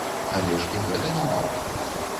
Але ж і гэта не мала.